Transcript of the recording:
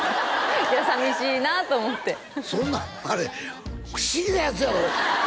いや寂しいなと思ってそんなんあれ不思議なヤツやろ？